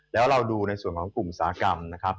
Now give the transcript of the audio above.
แล้วเราดูในส่วนของกลุ่มอุตสาหกรรมนะครับ